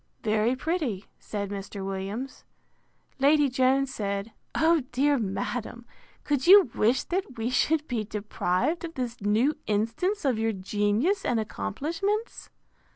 Very pretty, said Mr. Williams. Lady Jones said, O, dear madam! could you wish that we should be deprived of this new instance of your genius and accomplishments?